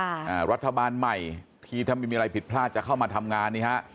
อ่ารัฐบาลใหม่ที่ถ้าไม่มีอะไรผิดพลาดจะเข้ามาทำงานนี่ฮะ